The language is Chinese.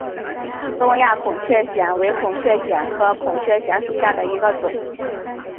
东亚孔雀藓为孔雀藓科孔雀藓属下的一个种。